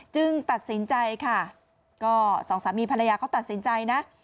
ตัดสินใจค่ะก็สองสามีภรรยาเขาตัดสินใจนะ